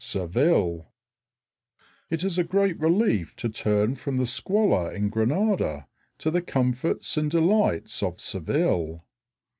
SEVILLE It is a great relief to turn from the squalor in Granada to the comforts and delights of Seville.